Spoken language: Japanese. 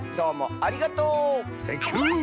ありがとう！